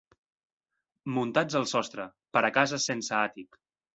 Muntats al sostre, per a cases sense àtic.